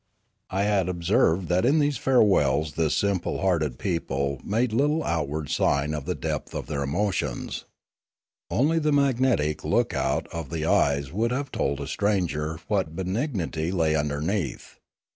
I had observed that in these farewells this simple hearted people made little outward sign of the depth of 37° Limanora their emotions. Only the magnetic look out of the eyes would have told a stranger what benignity lay underneath.